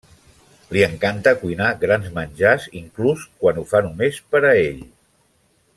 Li encanta cuinar grans menjars, inclús quan ho fa només per a ell.